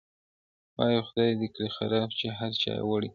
o وایې خدای دې کړي خراب چي هرچا وړﺉ,